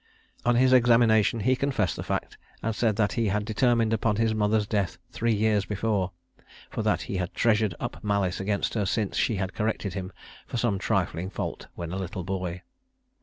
On his examination he confessed the fact, and said that he had determined upon his mother's death three years before; for that he had treasured up malice against her since she had corrected him for some trifling fault when a little boy.